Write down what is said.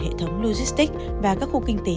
hệ thống logistics và các khu kinh tế